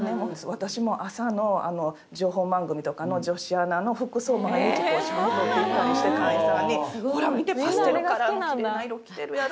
私も朝の情報番組とかの女子アナの服装毎日写メ撮っていったりして会員さんに「ほら見てパステルカラーのきれいな色着てるやろ」